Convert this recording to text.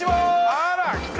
あら来た。